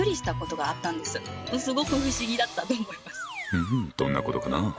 うんどんなことかな？